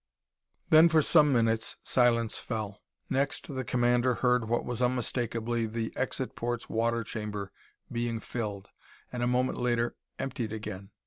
Then for some minutes silence fell. Next, the commander heard what was unmistakably the exit port's water chamber being filled and a moment later emptied again.